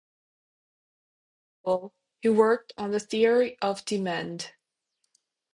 In parallel, he worked on the theory of demand.